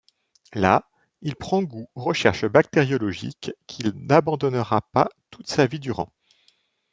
Là, il prend goût aux recherches bactériologiques, qu'il n'abandonnera pas toute sa vie durant.